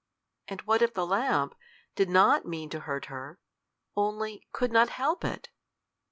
And what if the lamp did not mean to hurt her, only could not help it?